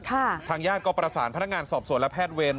ทางญาติก็ประสานพนักงานสอบสวนและแพทย์เวร